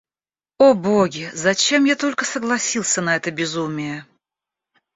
О боги, зачем я только согласился на это безумие!